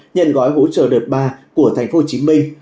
nhận gói hỗ trợ đợt ba của thành phố hồ chí minh